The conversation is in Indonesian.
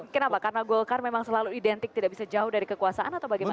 kenapa karena golkar memang selalu identik tidak bisa jauh dari kekuasaan atau bagaimana